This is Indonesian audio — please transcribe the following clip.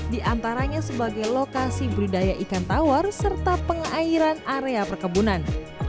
di antaranya sebagai lokasi budidaya ikan tawar serta pengairan area perkebunan